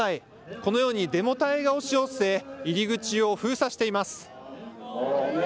このようにデモ隊が押し寄せ入り口を封鎖しています。